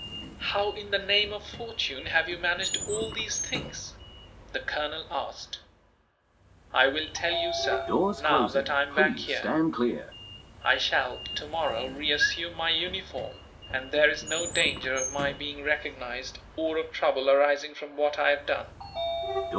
"How in the name of fortune have you managed all these things?" the colonel asked. "I will tell you, sir, now that I am back here. I shall tomorrow reassume my uniform, and there is no danger of my being recognized, or of trouble arising from what I have done."